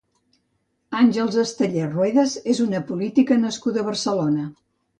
Àngels Esteller Ruedas és una política nascuda a Barcelona.